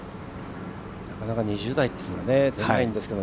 なかなか２０台というのは出ないんですけど。